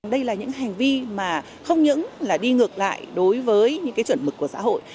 đây là những hành vi mà không những đi ngược lại đối với những chuẩn mực của xã hội